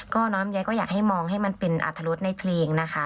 ก็น้องลำไยก็อยากให้มองให้มันเป็นอรรถรสในเพลงนะคะ